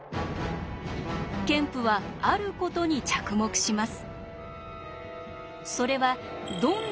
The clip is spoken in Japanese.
ケンプはあることに着目します。